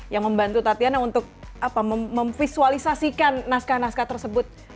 yang membantu tatiana untuk memvisualisasikan naskah naskah tersebut